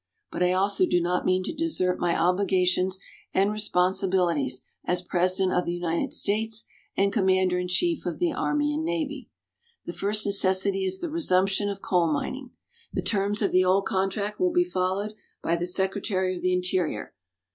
But I also do not mean to desert my obligations and responsibilities as President of the United States and Commander in Chief of the Army and Navy. The first necessity is the resumption of coal mining. The terms of the old contract will be followed by the Secretary of the Interior.